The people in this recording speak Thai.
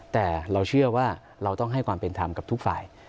แต่เราเชื่อว่าเราต้องให้ความเป็นธรรมกับทุกฝ่าย